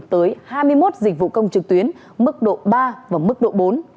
tới hai mươi một dịch vụ công trực tuyến mức độ ba và mức độ bốn